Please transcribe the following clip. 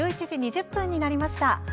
１１時２０分になりました。